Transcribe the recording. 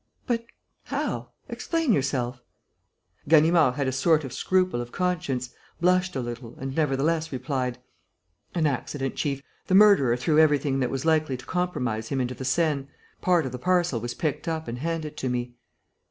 "But how? Explain yourself." Ganimard had a sort of scruple of conscience, blushed a little and nevertheless replied: "An accident, chief. The murderer threw everything that was likely to compromise him into the Seine. Part of the parcel was picked up and handed to me."